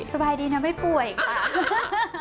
สบายดีนะไม่ป่วยค่ะ